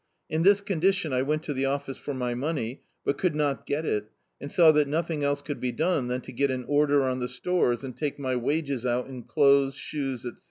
In this condition I went to the office for my money, but could not get it, and saw that nothing else could be done than to get an order on the stores, and take my wages out in clothes, shoes, etc.